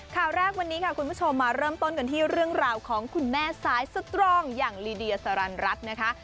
ข่าวแรกวันนี้ค่ะคุณผู้ชมมาเริ่มต้นกันที่เรื่องราวของคุณแม่สายสตรองอย่างลีเดียสรรรัฐนะคะ